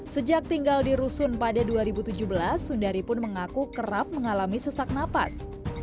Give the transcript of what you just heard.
sejak tinggal di rusun pada dua ribu tujuh belas sundari pun mengaku kerap mengalami sesak napas